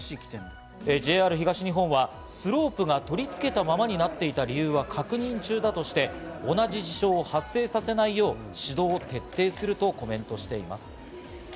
ＪＲ東日本は、スロープが取り付けたままになっていた理由は確認中だとして、同じ事象を発生させないよう指導を徹底するとコメントしています。